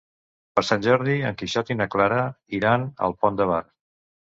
Per Sant Jordi en Quixot i na Clara iran al Pont de Bar.